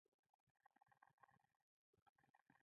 نه پوهېږم د مینې تارونه یې څنګه سره شکولي.